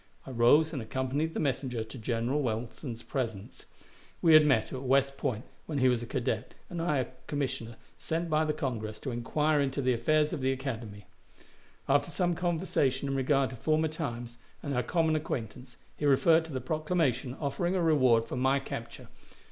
I rose and accompanied the messenger to General Wilson's presence. We had met at West Point when he was a cadet, and I a commissioner sent by the Congress to inquire into the affairs of the Academy. After some conversation in regard to former times and our common acquaintance, he referred to the proclamation offering a reward for my capture.